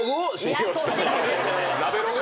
ナベログ。